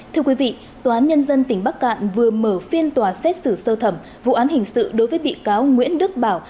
thưa quý vị tòa án nhân dân tỉnh bắc cạn vừa mở phiên tòa xét xử sơ thẩm vụ án hình sự đối với bị cáo nguyễn đức bảo